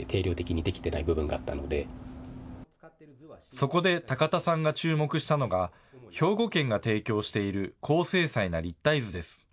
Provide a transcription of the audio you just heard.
そこで高田さんが注目したのが、兵庫県が提供している高精細な立体図です。